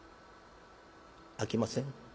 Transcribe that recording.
「あきません。